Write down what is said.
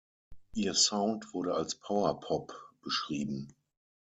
Ihr Sound wurde als Power Pop beschrieben.